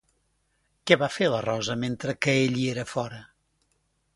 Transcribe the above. Què va fer la Rosa mentre que ell hi era fora?